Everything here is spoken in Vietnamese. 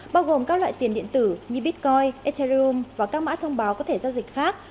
bao gồm các loại tiền điện tử như bitcoin etherine và các mã thông báo có thể giao dịch khác